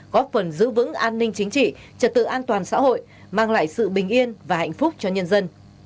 góp phần giữ vững an ninh chính trị trật tự an toàn xã hội mang lại sự bình yên và hạnh phúc cho nhân dân